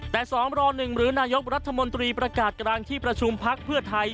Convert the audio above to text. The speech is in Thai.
แต่สมร๑หรือนายกรัฐมนตรีประกาศกลางที่ประชุมพักเพื่อไทย